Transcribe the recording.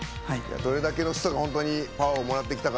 どれだけの人が本当にパワーをもらってきたか